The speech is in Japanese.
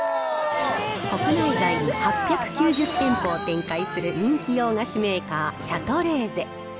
国内外に８９０店舗を展開する人気洋菓子メーカー、シャトレーゼ。